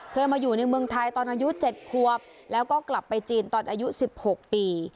เคยมาอยู่ในเมืองไทยตอนอายุ๗ควบแล้วก็กลับไปจีนตอนอายุ๑๖ปี